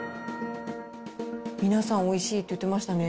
皆さん、おいしいって言ってましたね。